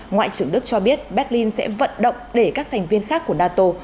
ngoại trưởng đức cho biết berlin sẽ vận động để các thành viên khác của nato